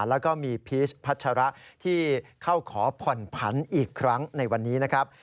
แล้วก็มีพีชพัชระที่เข้าขอผ่อนผันอีกครั้งในวันนี้นะครับ